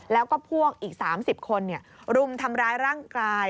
แล้วก็พวกอีก๓๐คนรุมทำร้ายร่างกาย